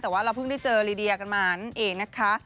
แต่ว่าเราเพิ่งได้เจอลีเดียกันมานั่นเองนะคะ